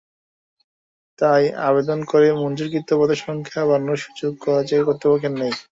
তাই আবেদন করে মঞ্জুরিকৃত পদের সংখ্যা বাড়ানোর সুযোগ কলেজ কর্তৃপক্ষের নেই।